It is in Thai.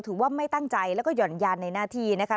ว่าไม่ตั้งใจแล้วก็หย่อนยานในหน้าที่นะคะ